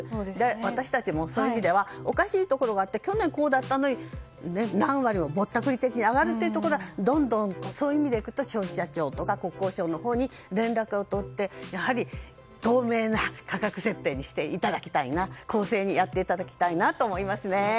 私たちもそういう意味ではおかしいところがあって去年はこうだったのに何割もぼったくり的に上がるというところはそういう意味で言うと消費者庁とか国交省のほうに連絡をとってやはり透明な価格設定にしていただきたい公正にやっていただきたいですね。